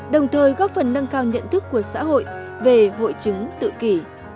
đồng thời góp phần nâng cao nhận thức của xã hội về hội chứng tự kỷ